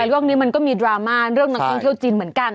เรื่องนี้มันก็มีดราม่าเรื่องนักท่องเที่ยวจีนเหมือนกัน